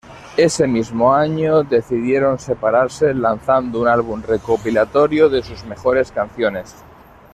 Ése mismo año decidieron separarse, lanzando un álbum recopilatorio de sus mejores canciones.